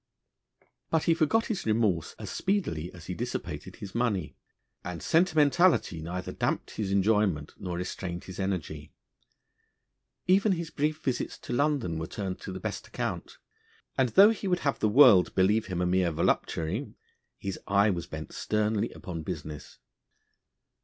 But he forgot his remorse as speedily as he dissipated his money, and sentimentality neither damped his enjoyment nor restrained his energy. Even his brief visits to London were turned to the best account; and, though he would have the world believe him a mere voluptuary, his eye was bent sternly upon business.